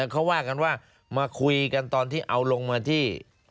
เขาว่ากันว่ามาคุยกันตอนที่เอาลงมาที่